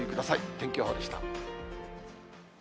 天気予報でした。